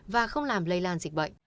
và không làm lây lan dịch bệnh